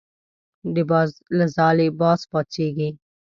د باز له ځالې باز پاڅېږي.